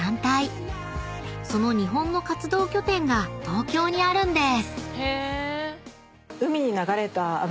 ［その日本の活動拠点が東京にあるんです］